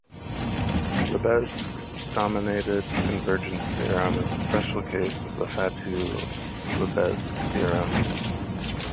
Lebesgue's dominated convergence theorem is a special case of the Fatou-Lebesgue theorem.